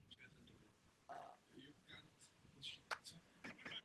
Nakonec ale předá Shirley šťastně do rukou jejího otce.